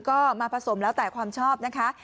ก็มาผสมแล้วแต่ความชอบนะคะ